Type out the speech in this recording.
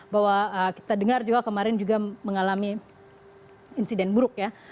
bahwa kita dengar juga kemarin juga mengalami insiden buruk ya